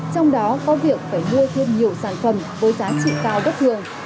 trong đó có việc phải mua thêm nhiều sản phẩm với giá trị cao bất thường